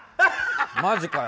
マジかよ。